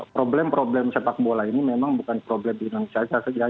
problem problem sepak bola ini memang bukan problem di indonesia saja